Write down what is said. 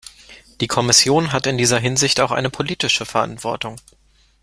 Die Kommission hat in dieser Hinsicht auch eine politische Verantwortung.